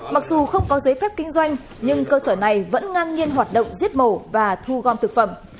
mặc dù không có giấy phép kinh doanh nhưng cơ sở này vẫn ngang nhiên hoạt động giết mổ và thu gom thực phẩm